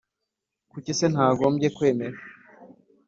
Kuki se nagombye kwemera